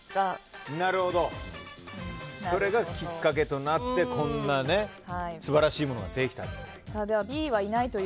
それがきっかけとなってこんな素晴らしいものができたんじゃないかと。